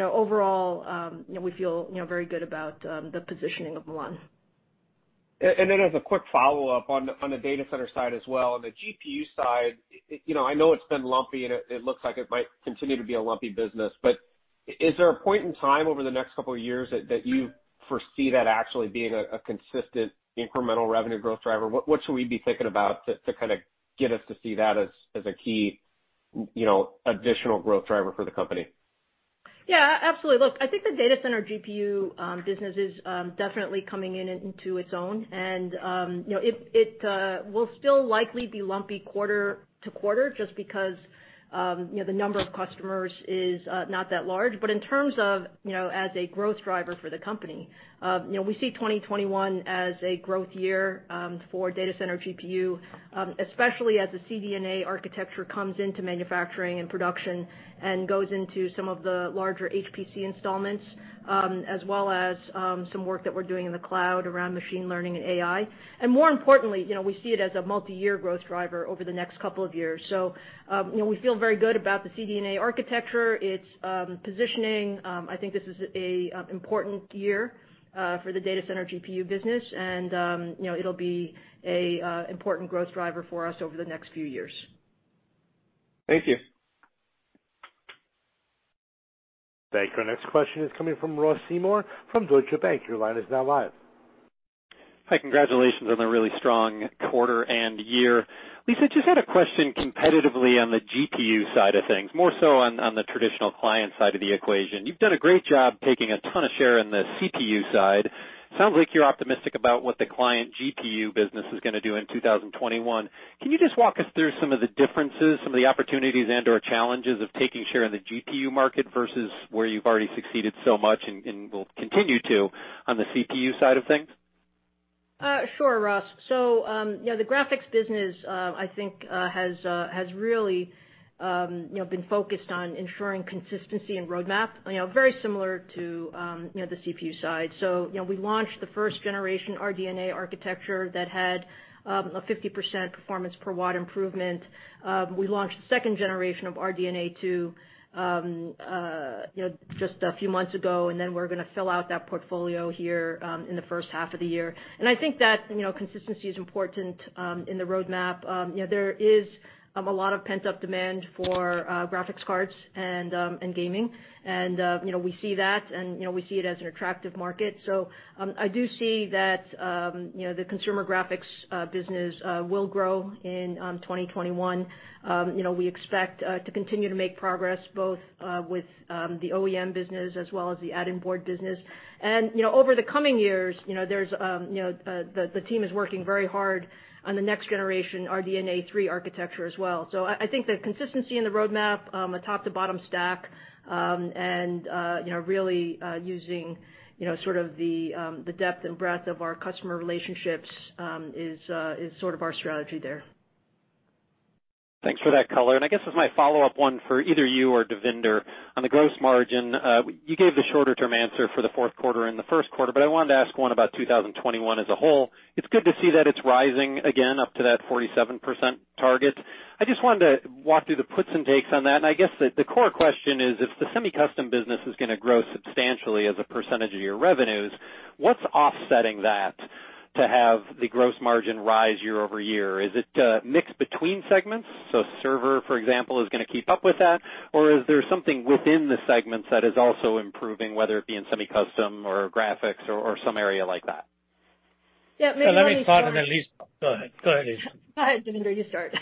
overall, we feel very good about the positioning of Milan. As a quick follow-up on the data center side as well. On the GPU side, I know it's been lumpy, and it looks like it might continue to be a lumpy business, but is there a point in time over the next couple of years that you foresee that actually being a consistent incremental revenue growth driver? What should we be thinking about to kind of get us to see that as a key additional growth driver for the company? Yeah, absolutely. Look, I think the data center GPU business is definitely coming into its own, and it will still likely be lumpy quarter-to-quarter just because the number of customers is not that large. In terms of as a growth driver for the company, we see 2021 as a growth year for data center GPU, especially as the CDNA architecture comes into manufacturing and production and goes into some of the larger HPC installments, as well as some work that we're doing in the cloud around machine learning and AI. More importantly, we see it as a multi-year growth driver over the next couple of years. We feel very good about the CDNA architecture, its positioning. I think this is an important year for the data center GPU business, and it'll be an important growth driver for us over the next few years. Thank you. Thank you. Our next question is coming from Ross Seymore from Deutsche Bank. Your line is now live. Hi. Congratulations on the really strong quarter and year. Lisa, just had a question competitively on the GPU side of things, more so on the traditional client side of the equation. You've done a great job taking a ton of share in the CPU side. Sounds like you're optimistic about what the client GPU business is going to do in 2021. Can you just walk us through some of the differences, some of the opportunities and/or challenges of taking share in the GPU market versus where you've already succeeded so much, and will continue to, on the CPU side of things? Sure, Ross. The graphics business, I think has really been focused on ensuring consistency and roadmap, very similar to the CPU side. We launched the first generation RDNA architecture that had a 50% performance per watt improvement. We launched the second generation of RDNA 2 just a few months ago, we're going to fill out that portfolio here in the first half of the year. I think that consistency is important in the roadmap. There is a lot of pent-up demand for graphics cards and gaming, and we see that, and we see it as an attractive market. I do see that the consumer graphics business will grow in 2021. We expect to continue to make progress both with the OEM business as well as the add-in-board business. Over the coming years, the team is working very hard on the next generation, RDNA 3 architecture as well. I think the consistency in the roadmap, a top to bottom stack, and really using sort of the depth and breadth of our customer relationships, is sort of our strategy there. Thanks for that color. I guess as my follow-up one for either you or Devinder. On the gross margin, you gave the shorter-term answer for the fourth quarter and the first quarter, but I wanted to ask one about 2021 as a whole. It's good to see that it's rising again up to that 47% target. I just wanted to walk through the puts and takes on that. I guess the core question is, if the semi-custom business is going to grow substantially as a percentage of your revenues, what's offsetting that to have the gross margin rise year-over-year? Is it a mix between segments? Server, for example, is going to keep up with that, or is there something within the segments that is also improving, whether it be in semi-custom or graphics or some area like that? Yeah, maybe let me start. Let me start, and then Lisa. Go ahead. Go ahead, Lisa. Go ahead, Devinder. You start.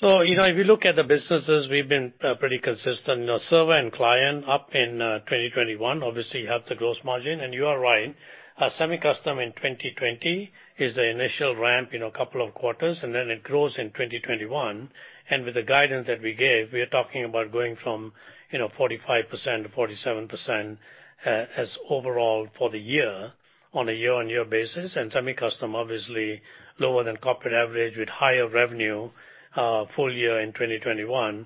If you look at the businesses, we've been pretty consistent. Server and client up in 2021, obviously, you have the gross margin. You are right. Semi-custom in 2020 is the initial ramp in a couple of quarters, and then it grows in 2021. With the guidance that we gave, we are talking about going from 45%-47% as overall for the year on a year-on-year basis. Semi-custom, obviously, lower than corporate average with higher revenue full-year in 2021,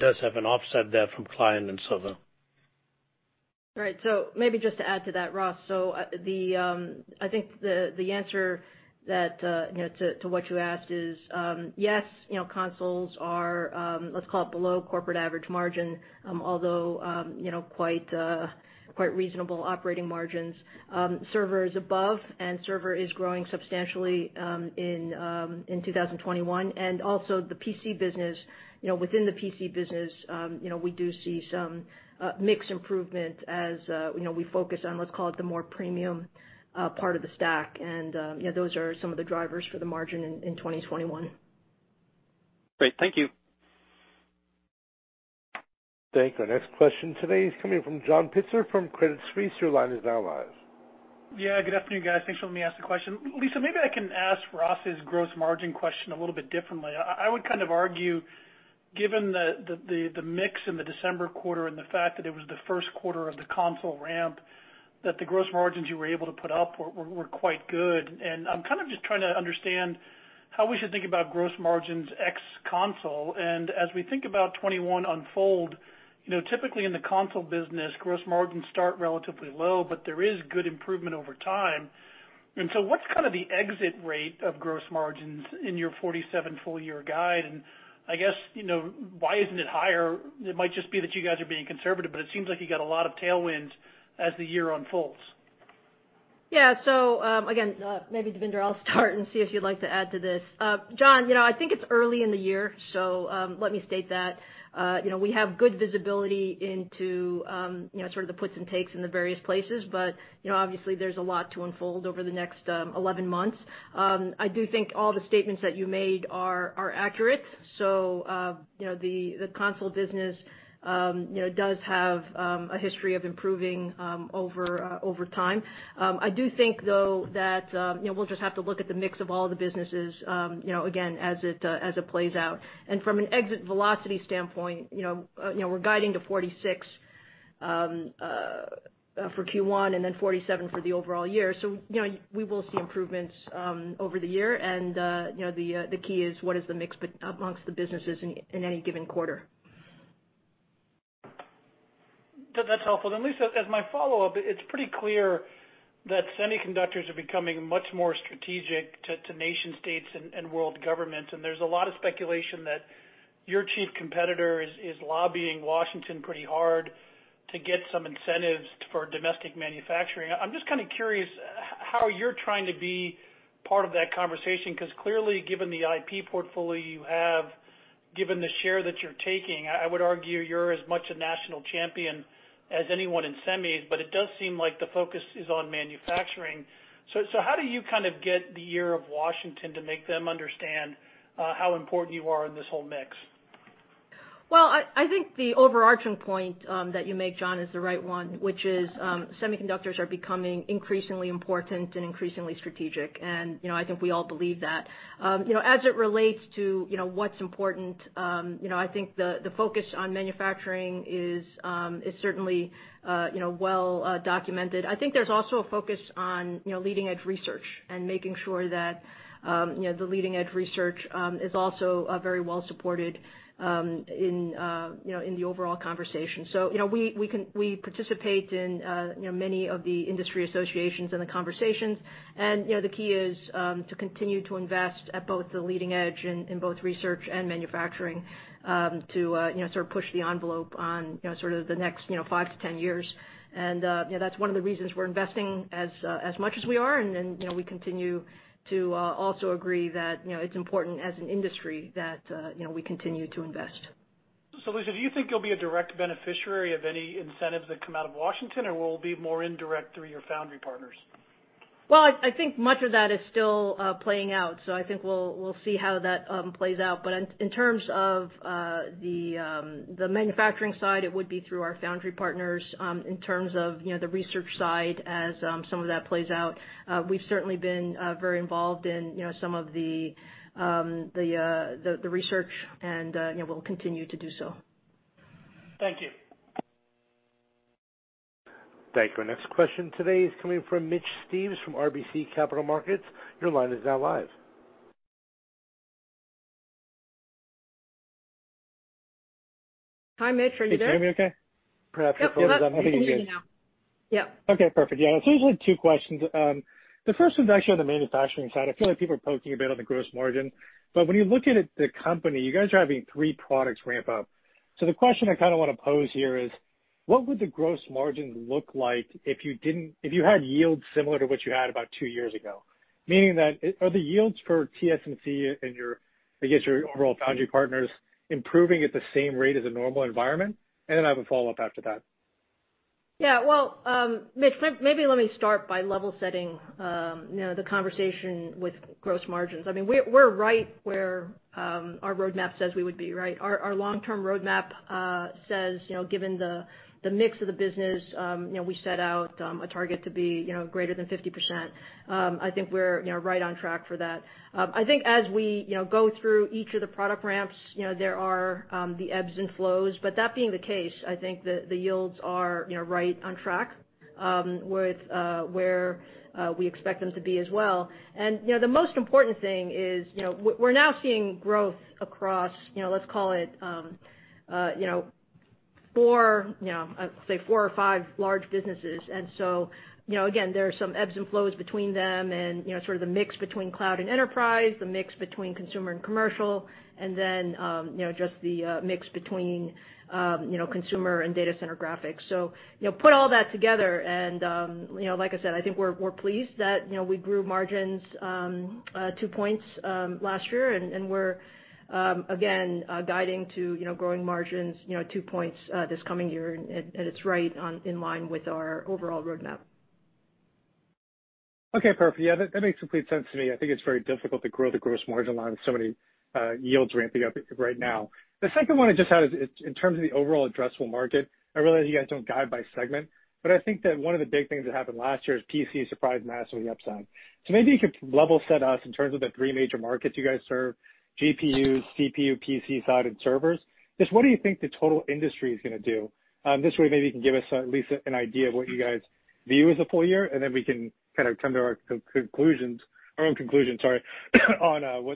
does have an offset there from client and server. Right. Maybe just to add to that, Ross. I think the answer to what you asked is, yes, consoles are, let's call it below corporate average margin, although quite reasonable operating margins. Server is above, and server is growing substantially in 2021. Also the PC business, within the PC business, we do see some mix improvement as we focus on, let's call it, the more premium part of the stack. Those are some of the drivers for the margin in 2021. Great. Thank you. Thank you. Our next question today is coming from John Pitzer from Credit Suisse. Your line is now live. Yeah, good afternoon, guys. Thanks for letting me ask the question. Lisa, maybe I can ask Ross's gross margin question a little bit differently. I would kind of argue, given the mix in the December quarter and the fact that it was the first quarter of the console ramp, that the gross margins you were able to put up were quite good. I'm kind of just trying to understand how we should think about gross margins ex console. As we think about 2021 unfold, typically in the console business, gross margins start relatively low, but there is good improvement over time. So what's kind of the exit rate of gross margins in your 47% full-year guide? I guess, why isn't it higher? It might just be that you guys are being conservative, but it seems like you got a lot of tailwinds as the year unfolds. Yeah. Again, maybe Devinder, I'll start and see if you'd like to add to this. John, I think it's early in the year, so let me state that. We have good visibility into sort of the puts and takes in the various places, but obviously, there's a lot to unfold over the next 11 months. I do think all the statements that you made are accurate. The console business does have a history of improving over time. I do think, though, that we'll just have to look at the mix of all the businesses, again, as it plays out. From an exit velocity standpoint, we're guiding to 46% for Q1 and then 47% for the overall year. We will see improvements over the year, and the key is what is the mix amongst the businesses in any given quarter. That's helpful. Lisa, as my follow-up, it's pretty clear that semiconductors are becoming much more strategic to nation states and world governments, and there's a lot of speculation that your chief competitor is lobbying Washington pretty hard to get some incentives for domestic manufacturing. I'm just curious how you're trying to be part of that conversation, because clearly, given the IP portfolio you have, given the share that you're taking, I would argue you're as much a national champion as anyone in semis, but it does seem like the focus is on manufacturing. How do you get the ear of Washington to make them understand how important you are in this whole mix? I think the overarching point that you make, John, is the right one, which is semiconductors are becoming increasingly important and increasingly strategic. I think we all believe that. As it relates to what's important, I think the focus on manufacturing is certainly well documented. I think there's also a focus on leading-edge research and making sure that the leading-edge research is also very well supported in the overall conversation. We participate in many of the industry associations and the conversations, and the key is to continue to invest at both the leading edge in both research and manufacturing to sort of push the envelope on sort of the next five to 10 years. That's one of the reasons we're investing as much as we are. We continue to also agree that it's important as an industry that we continue to invest. Lisa, do you think you'll be a direct beneficiary of any incentives that come out of Washington, or will it be more indirect through your foundry partners? Well, I think much of that is still playing out, so I think we'll see how that plays out. In terms of the manufacturing side, it would be through our foundry partners. In terms of the research side, as some of that plays out, we've certainly been very involved in some of the research, and we'll continue to do so. Thank you. Thank you. Our next question today is coming from Mitch Steves from RBC Capital Markets. Your line is now live. Hi, Mitch. Are you there? Can you hear me okay? Yep. We're hearing you now. Yep. Okay, perfect. Yeah. I just have two questions. The first one's actually on the manufacturing side. I feel like people are poking a bit on the gross margin. When you're looking at the company, you guys are having three products ramp up. The question I want to pose here is: What would the gross margin look like if you had yields similar to what you had about two years ago? Meaning that, are the yields for TSMC and your, I guess your overall foundry partners, improving at the same rate as a normal environment? I have a follow-up after that. Yeah. Well, Mitch, maybe let me start by level setting the conversation with gross margins. I mean, we're right where our roadmap says we would be, right? Our long-term roadmap says, given the mix of the business, we set out a target to be greater than 50%. I think we're right on track for that. I think as we go through each of the product ramps, there are the ebbs and flows. That being the case, I think the yields are right on track with where we expect them to be as well. The most important thing is, we're now seeing growth across, let's call it, say, four or five large businesses. Again, there are some ebbs and flows between them and sort of the mix between cloud and enterprise, the mix between consumer and commercial, and then just the mix between consumer and data center graphics. Put all that together, and like I said, I think we're pleased that we grew margins two points last year, and we're again guiding to growing margins two points this coming year, and it's right in line with our overall roadmap. Okay, perfect. Yeah, that makes complete sense to me. I think it's very difficult to grow the gross margin line with so many yields ramping up right now. The second one I just had is in terms of the overall addressable market. I realize you guys don't guide by segment, but I think that one of the big things that happened last year is PC surprised massively upside. Maybe you could level set us in terms of the three major markets you guys serve, GPUs, CPU, PC side, and servers. Just what do you think the total industry is going to do? This way, maybe you can give us at least an idea of what you guys view as a full year, and then we can kind of come to our own conclusions on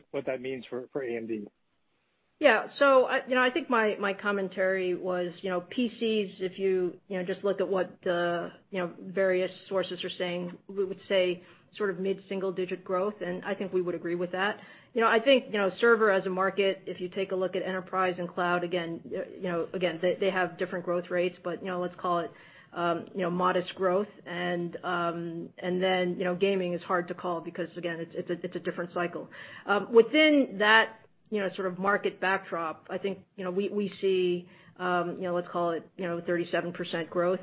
what that means for AMD. Yeah. I think my commentary was PCs, if you just look at what the various sources are saying, we would say sort of mid-single digit growth, and I think we would agree with that. I think server as a market, if you take a look at enterprise and cloud, again, they have different growth rates, but let's call it modest growth. Then gaming is hard to call because again, it's a different cycle. Within that sort of market backdrop, I think we see, let's call it 37% growth.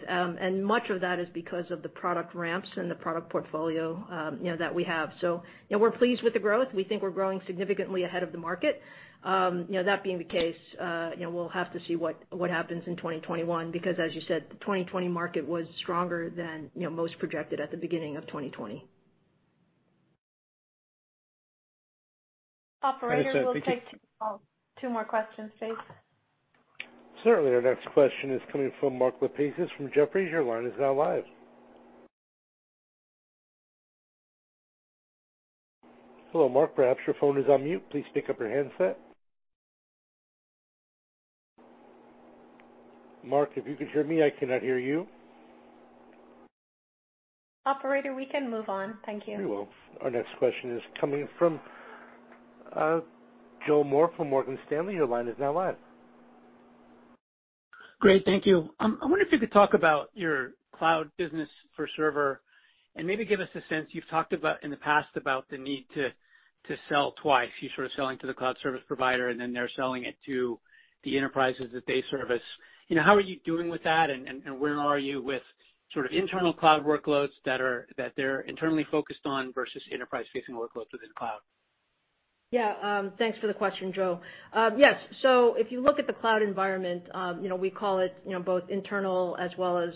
Much of that is because of the product ramps and the product portfolio that we have. We're pleased with the growth. We think we're growing significantly ahead of the market. That being the case, we'll have to see what happens in 2021, because as you said, the 2020 market was stronger than most projected at the beginning of 2020. Operator, we'll take two more questions, please. Certainly. Our next question is coming from Mark Lipacis from Jefferies. Your line is now live. Hello, Mark. Perhaps your phone is on mute. Please pick up your handset. Mark, if you can hear me, I cannot hear you. Operator, we can move on. Thank you. We will. Our next question is coming from Joe Moore from Morgan Stanley. Your line is now live. Great. Thank you. I wonder if you could talk about your cloud business for server and maybe give us a sense. You've talked about, in the past, about the need to sell twice. You're sort of selling to the cloud service provider, and then they're selling it to the enterprises that they service. How are you doing with that, and where are you with sort of internal cloud workloads that they're internally focused on versus enterprise-facing workloads within cloud? Thanks for the question, Joe. If you look at the cloud environment, we call it both internal as well as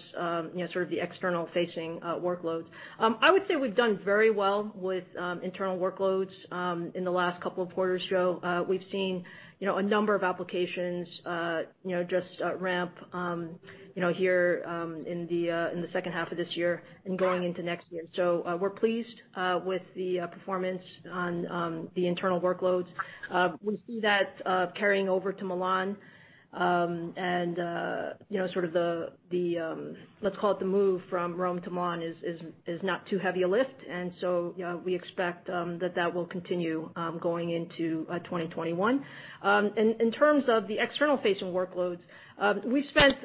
sort of the external-facing workloads. I would say we've done very well with internal workloads in the last couple of quarters, Joe. We've seen a number of applications just ramp here in the second half of this year and going into next year. We're pleased with the performance on the internal workloads. We see that carrying over to Milan and sort of the, let's call it the move from Rome to Milan, is not too heavy a lift. We expect that will continue going into 2021. In terms of the external-facing workloads, we've spent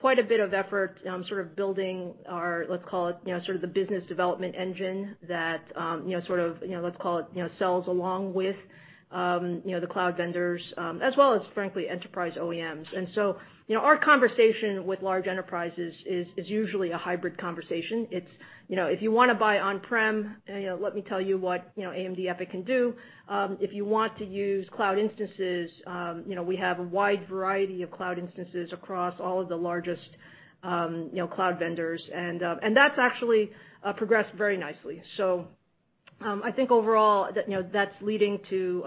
quite a bit of effort sort of building our, let's call it, sort of the business development engine that sort of, let's call it, sells along with the cloud vendors as well as, frankly, enterprise OEMs. Our conversation with large enterprises is usually a hybrid conversation. It's if you want to buy on-prem, let me tell you what AMD EPYC can do. If you want to use cloud instances, we have a wide variety of cloud instances across all of the largest cloud vendors. That's actually progressed very nicely. I think overall, that's leading to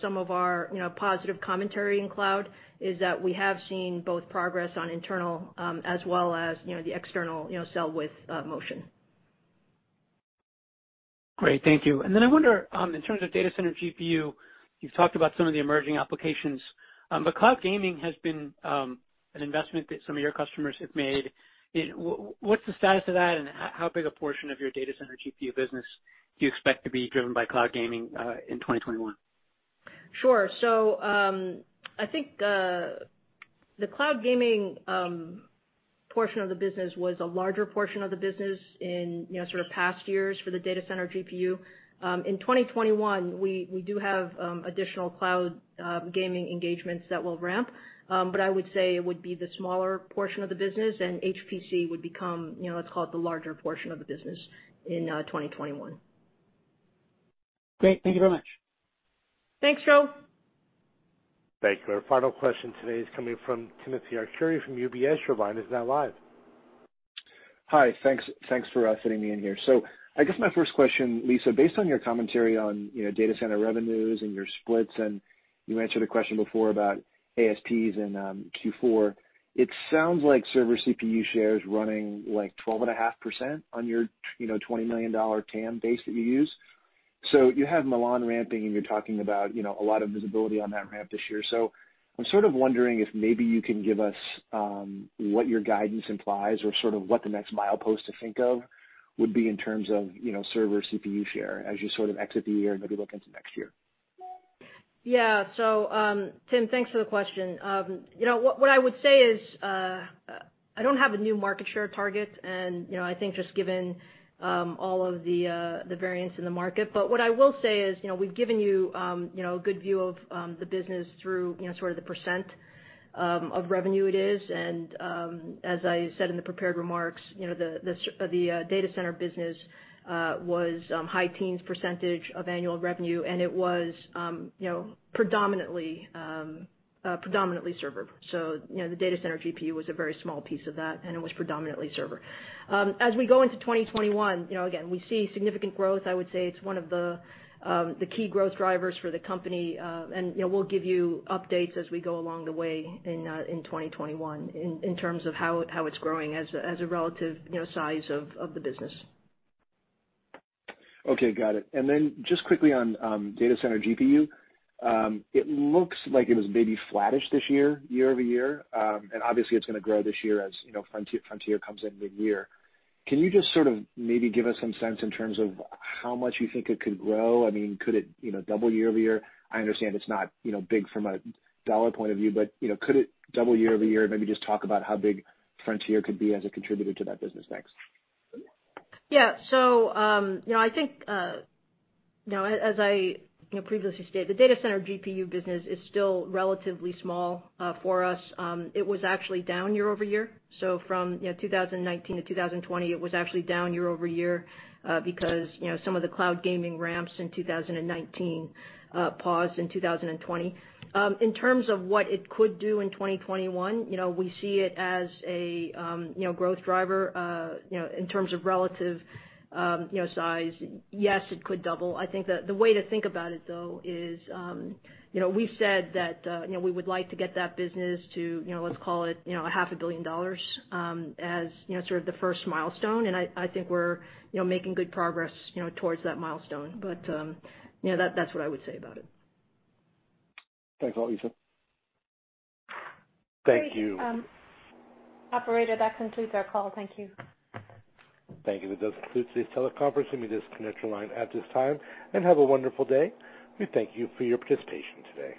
some of our positive commentary in cloud, is that we have seen both progress on internal as well as the external sell with motion. Great. Thank you. I wonder, in terms of data center GPU, you've talked about some of the emerging applications. Cloud gaming has been an investment that some of your customers have made. What's the status of that, and how big a portion of your data center GPU business do you expect to be driven by cloud gaming in 2021? Sure. I think the cloud gaming portion of the business was a larger portion of the business in sort of past years for the data center GPU. In 2021, we do have additional cloud gaming engagements that will ramp, but I would say it would be the smaller portion of the business, and HPC would become, let's call it, the larger portion of the business in 2021. Great. Thank you very much. Thanks, Joe. Thank you. Our final question today is coming from Timothy Arcuri from UBS. Your line is now live. Hi. Thanks for fitting me in here. I guess my first question, Lisa, based on your commentary on data center revenues and your splits, and you answered a question before about ASPs in Q4, it sounds like server CPU share is running, like, 12.5% on your $20 million TAM base that you use. You have Milan ramping, and you're talking about a lot of visibility on that ramp this year. I'm sort of wondering if maybe you can give us what your guidance implies or sort of what the next milepost to think of would be in terms of server CPU share as you sort of exit the year and maybe look into next year? Tim, thanks for the question. What I would say is, I don't have a new market share target, and I think just given all of the variance in the market. What I will say is we've given you a good view of the business through sort of the percent of revenue it is. As I said in the prepared remarks, the data center business was high teens percentage of annual revenue, and it was predominantly server. The data center GPU was a very small piece of that, and it was predominantly server. As we go into 2021, again, we see significant growth. I would say it's one of the key growth drivers for the company. We'll give you updates as we go along the way in 2021 in terms of how it's growing as a relative size of the business. Okay. Got it. Just quickly on data center GPU. It looks like it was maybe flattish this year-over-year. Obviously, it's going to grow this year as Frontier comes in mid-year. Can you just sort of maybe give us some sense in terms of how much you think it could grow? I mean, could it double year-over-year? I understand it's not big from a dollar point of view, but could it double year-over-year? Maybe just talk about how big Frontier could be as a contributor to that business next. Yeah. I think as I previously stated, the data center GPU business is still relatively small for us. It was actually down year-over-year. From 2019-2020, it was actually down year-over-year because some of the cloud gaming ramps in 2019 paused in 2020. In terms of what it could do in 2021, we see it as a growth driver. In terms of relative size, yes, it could double. I think that the way to think about it, though, is we've said that we would like to get that business to, let's call it, $500 million as sort of the first milestone, and I think we're making good progress towards that milestone. That's what I would say about it. Thanks a lot, Lisa. Thank you. Great. Operator, that concludes our call. Thank you. Thank you. That does conclude this teleconference. You may disconnect your line at this time, and have a wonderful day. We thank you for your participation today.